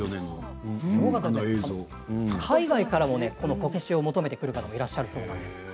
海外からもこのこけしを求めてくる方がいらっしゃるそうです。